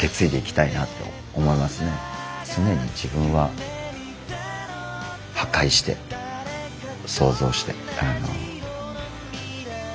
常に自分は破壊して創造してあの。